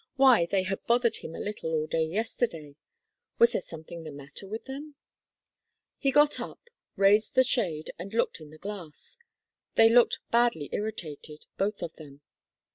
Why, they had bothered him a little all day yesterday. Was there something the matter with them? He got up, raised the shade and looked in the glass. They looked badly irritated, both of them.